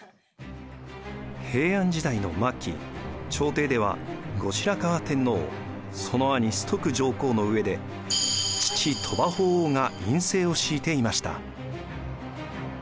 平安時代の末期朝廷では後白河天皇その兄崇徳上皇の上で父鳥羽法皇が院政を敷いていました。